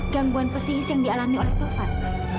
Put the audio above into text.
gangguan pesihis yang dialami oleh taufan